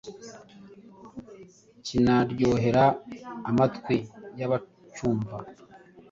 kinaryohera amatwi y’abacyumva.